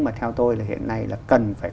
mà theo tôi hiện nay là cần phải